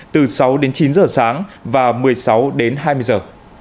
từ sáu đến chín giờ sáng và một mươi sáu đến hai mươi giờ